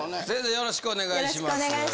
よろしくお願いします。